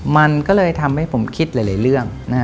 มันก็เลยทำให้ผมคิดหลายเรื่อง